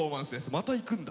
またいくんだ。